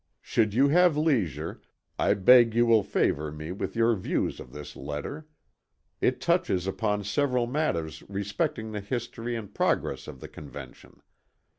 "Should you have leisure, I beg you will favor me with your views of this letter. It touches upon several matters respecting the history and progress of the Convention.